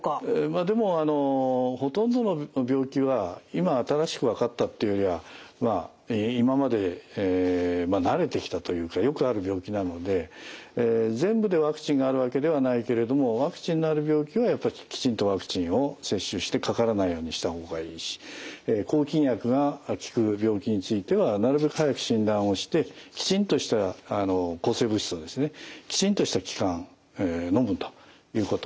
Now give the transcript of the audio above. でもほとんどの病気は今新しく分かったっていうよりはまあ今まで慣れてきたというかよくある病気なので全部でワクチンがあるわけではないけれどもワクチンのある病気はきちんとワクチンを接種してかからないようにした方がいいし抗菌薬が効く病気についてはなるべく早く診断をしてきちんとした抗生物質をですねきちんとした期間のむということ。